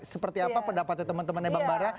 seperti apa pendapatnya teman temannya bang bara